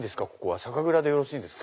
酒蔵でよろしいですか？